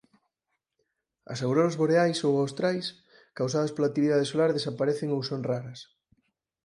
As auroras boreais ou austrais causadas pola actividade solar desaparecen ou son raras.